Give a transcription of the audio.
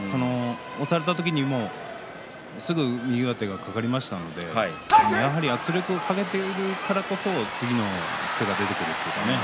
押された時にすぐ右上手が掛かりましたのでやはり圧力をかけているからこそ次の手が出てくるというかね